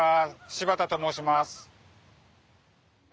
柴田と申します。